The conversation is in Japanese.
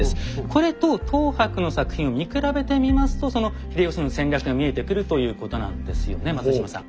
これと等伯の作品を見比べてみますとその秀吉の戦略が見えてくるということなんですよね松嶋さん。